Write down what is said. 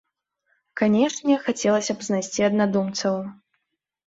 Канечне, хацелася б знайсці аднадумцаў.